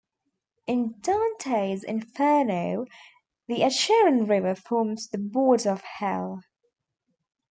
In Dante's "Inferno", the Acheron river forms the border of Hell.